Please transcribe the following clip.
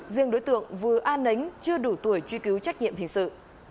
riêng đối tượng vư an nánh chưa đủ tuổi truy cứu trách nhiệm hình sự